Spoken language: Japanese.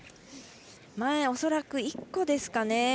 前、恐らく１個ですかね。